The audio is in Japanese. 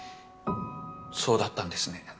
そうだったんですね。